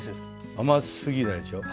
甘すぎないでしょう。